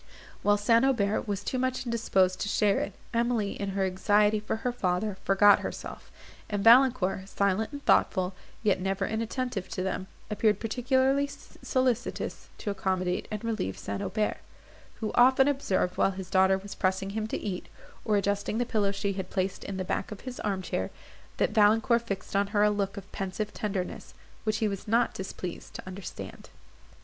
While St. Aubert was too much indisposed to share it, Emily, in her anxiety for her father, forgot herself; and Valancourt, silent and thoughtful, yet never inattentive to them, appeared particularly solicitous to accommodate and relieve St. Aubert, who often observed, while his daughter was pressing him to eat, or adjusting the pillow she had placed in the back of his arm chair, that Valancourt fixed on her a look of pensive tenderness, which he was not displeased to understand.